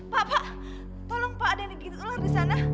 bapak tolong pak ada yang digigit ular disana